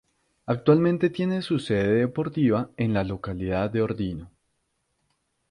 Actualmente tiene su sede deportiva en la localidad de Ordino.